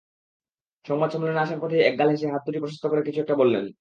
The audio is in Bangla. সংবাদ সম্মেলনে আসার পথেই একগাল হেসে হাত দুটি প্রশস্ত করে কিছু একটা বললেন।